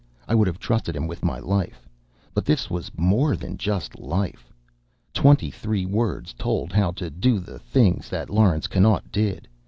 I would have trusted him with my life. But this was more than just a life. Twenty three words told how to do the things that Laurence Connaught did.